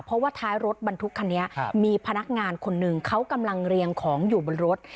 เพราะว่าท้ายรถบรรทุกคันนี้มีพนักงานคนหนึ่งเขากำลังเรียงของอยู่บนรถ